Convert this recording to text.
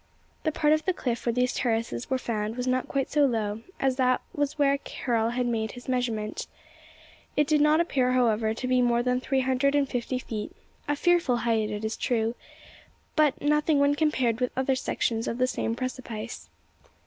The part of the cliff where these terraces were found was not quite so low, as that where Karl had made his measurement. It did not appear, however, to be more than three hundred and fifty feet a fearful height, it is true but nothing when compared with other sections of the same precipice.